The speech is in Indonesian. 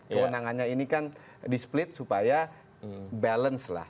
kewenangannya ini kan di split supaya balance lah